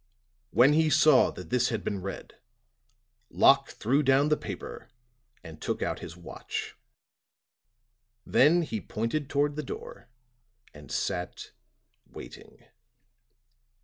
When he saw that this had been read, Locke threw down the paper and took out his watch. Then he pointed toward the door and sat waiting.